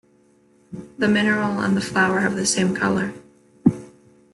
The mineral and the flower have the same color.